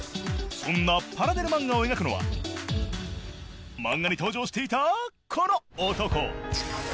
そんなパラデル漫画を描くのは漫画に登場していたこの男